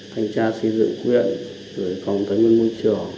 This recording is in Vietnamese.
tham gia xây dựng của huyện rồi còn tới nguyên môi trường